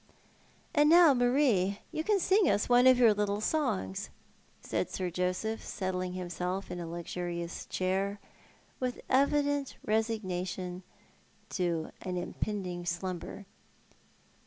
" And now, Marie, you can sing us one of your little songs," said Sir Joseph, settling himself in a luxurious chair, with evident resignation to impending slumber.